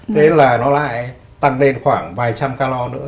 thế là nó lại tăng lên khoảng vài trăm calor nữa